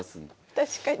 確かに。